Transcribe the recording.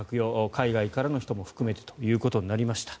海外からの人も含めてということになりました。